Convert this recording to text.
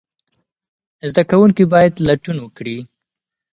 زده کوونکي باید لټون وکړي.